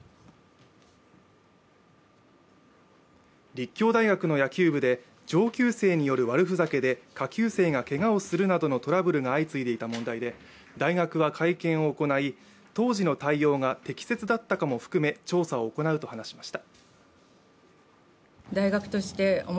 立教大学の野球部で上級生による悪ふざけで下級生がけがをするなどのトラブルが相次いでいた問題で大学は会見を行い、当時の対応が適切だったかも含め調査を行うと話しました。